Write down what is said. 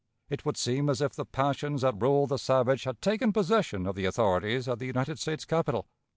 It would seem as if the passions that rule the savage had taken possession of the authorities at the United States capital!